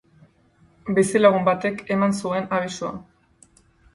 Bizilagun batek eman zuen abisua.